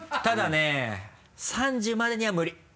ただね３０までには無理。